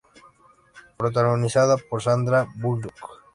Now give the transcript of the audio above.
Protagonizada por Sandra Bullock.